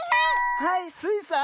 はいスイさん。